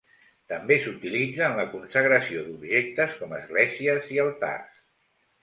També s'utilitza en la consagració d'objectes com esglésies i altars.